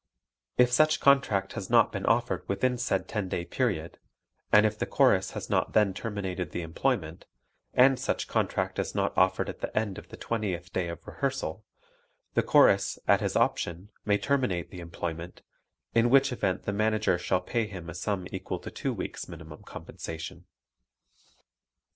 If such contract has not been so offered within said ten day period (and if the Chorus has not then terminated the employment) and such contract is not offered at the end of the twentieth day of rehearsal, the Chorus, at his option, may terminate the employment, in which event the Manager shall pay him a sum equal to two weeks' minimum compensation.